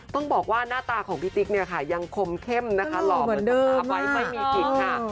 ต้องบอกว่าหน้าตาของพี่ติ๊กเนี่ยค่ะยังคมเข้มนะคะหล่อเหมือนเดิมคาไว้ไม่มีกิจค่ะ